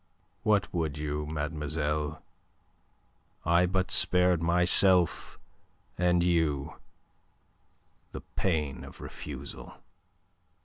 "What would you, mademoiselle? I but spared myself and you the pain of a refusal."